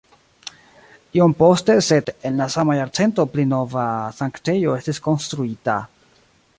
Iom poste sed en la sama jarcento pli nova sanktejo estis konstruita.